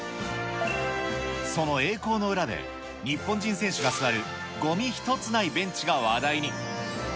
その栄光の裏で、日本人選手が座るごみ一つないベンチが話題に。